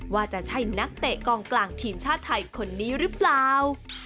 ว่าจะใช่นักเตะกองกลางทีมชาติไทยคนนี้หรือเปล่า